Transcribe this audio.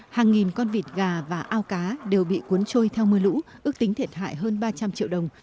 hàng nghìn con vịt gà và ao cá đều bị cuốn trôi theo mưa lũ ước tính thiệt hại hơn ba trăm linh triệu đồng